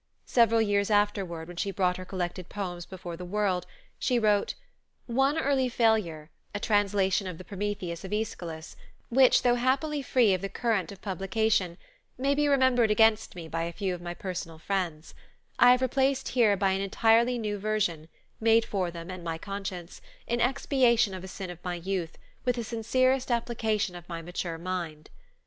Several years afterward, when she brought her collected poems before the world, she wrote: "One early failure, a translation of the Prometheus of Aeschylus, which, though happily free of the current of publication, may be remembered against me by a few of my personal friends, I have replaced here by an entirely new version, made for them and my conscience, in expiation of a sin of my youth, with the sincerest application of my mature mind."